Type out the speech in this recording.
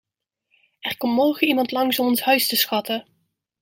Er komt morgen iemand langs om ons huis te schatten.